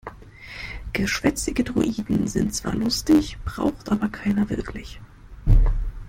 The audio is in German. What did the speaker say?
Geschwätzige Droiden sind zwar lustig, braucht aber keiner wirklich.